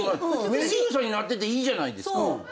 メデューサになってていいじゃないですか！